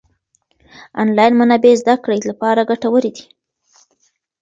انلاين منابع زده کړې لپاره ګټورې دي.